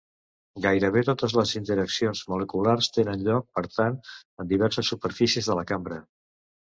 Gairebé totes les interaccions moleculars tenen lloc, per tant, en diverses superfícies de la cambra.